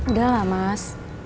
udah lah mas